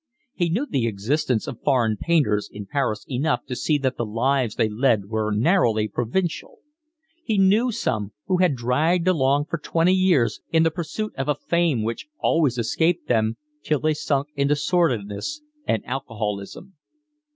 He knew the existence of foreign painters in Paris enough to see that the lives they led were narrowly provincial. He knew some who had dragged along for twenty years in the pursuit of a fame which always escaped them till they sunk into sordidness and alcoholism.